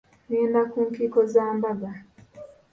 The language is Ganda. Ngenda ku nkiiko za mbaga.